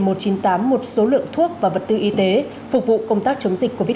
một số lượng thuốc và vật tư y tế phục vụ công tác chống dịch covid một mươi chín